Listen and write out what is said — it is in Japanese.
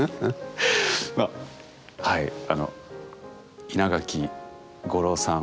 はいあの稲垣吾郎さん